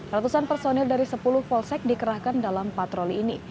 ratusan personil dari sepuluh polsek dikerahkan dalam patroli ini